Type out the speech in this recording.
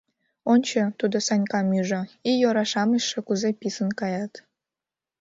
— Ончо, — тудо Санькам ӱжӧ, — ий ора-шамычше кузе писын каят...